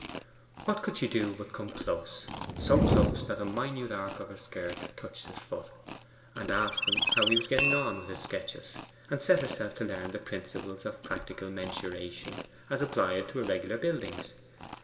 What could she do but come close so close that a minute arc of her skirt touched his foot and asked him how he was getting on with his sketches, and set herself to learn the principles of practical mensuration as applied to irregular buildings?